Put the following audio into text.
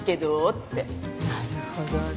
なるほどね。